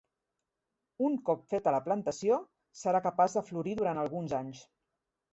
Un cop feta la plantació, serà capaç de florir durant alguns anys.